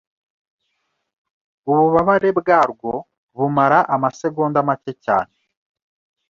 ububabare bwarwo bumara amasegonda make cyane